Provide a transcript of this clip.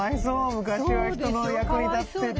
昔は人の役に立ってて。